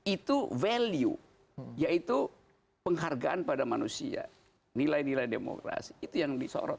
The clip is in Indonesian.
itu value yaitu penghargaan pada manusia nilai nilai demokrasi itu yang disorot